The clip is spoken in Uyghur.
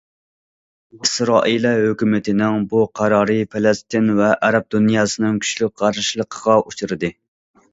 ئىسرائىلىيە ھۆكۈمىتىنىڭ بۇ قارارى پەلەستىن ۋە ئەرەب دۇنياسىنىڭ كۈچلۈك قارشىلىقىغا ئۇچرىدى.